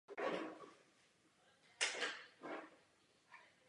Je čas, abychom dali najevo, co si myslíme.